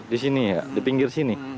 di sini ya di pinggir sini